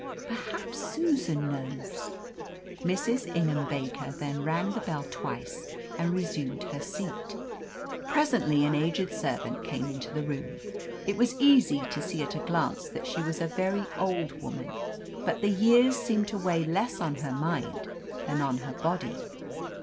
Perhaps Susan knows." Mrs. Ingham Baker then rang the bell twice, and resumed her seat. Presently an aged servant came into the room. It was easy to see at a glance that she was a very old woman, but the years seemed to weigh less on her mind than on her body.